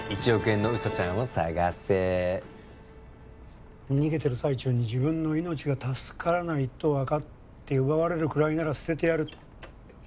１億円のウサちゃんを捜せ逃げてる最中に自分の命が助からないと分かって奪われるくらいなら捨ててやる